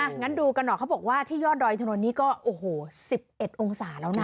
อ่ะงั้นดูกันหน่อยเขาบอกว่าที่ยอดดอยทะโน่นนี่ก็๑๑องศาแล้วน่ะ